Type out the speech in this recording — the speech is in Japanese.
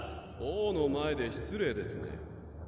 王の前で失礼ですね。